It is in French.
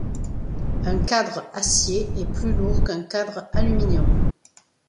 Un cadre acier est plus lourd qu'un cadre aluminium.